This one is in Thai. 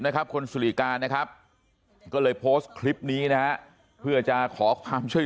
นะครับคุณสุริการนะครับก็เลยโพสต์คลิปนี้นะฮะเพื่อจะขอความช่วย